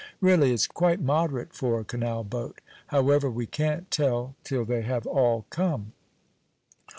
Really, it's quite moderate for a canal boat. However, we can't tell till they have all come."